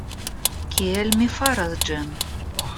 Kiel mi faras ĝin?